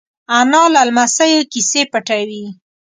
انا له لمسيو کیسې پټوي